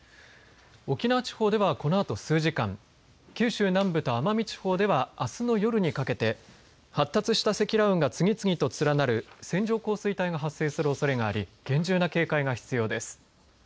沖縄地方ではこのあと数時間九州南部と奄美地方ではあすの夜にかけて発達した積乱雲が次々と連なる線状降水帯が発生するおそれがあり厳重な警戒が必要です。